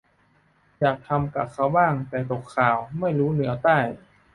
อยากจะทำกะเขาบ้างแต่ตกข่าว ไม่รู้เหนือใต้